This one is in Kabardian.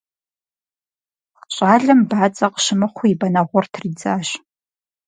ЩӀалэм бадзэ къыщымыхъуу и бэнэгъур тридзащ.